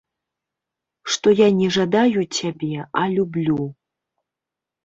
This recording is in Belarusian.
Што я не жадаю цябе, а люблю.